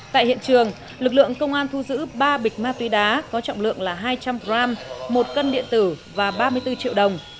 tại hiện trường lực lượng công an thu giữ ba bịch ma túy đá có trọng lượng là hai trăm linh g một cân điện tử và ba mươi bốn triệu đồng